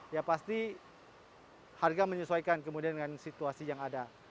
ya pasti harga menyesuaikan kemudian dengan situasi yang ada